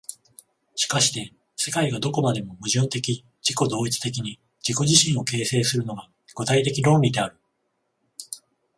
しかして世界がどこまでも矛盾的自己同一的に自己自身を形成するのが、具体的論理である。